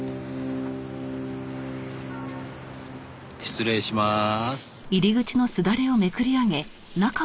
失礼しまーす。